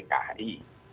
kalau ada kebijakan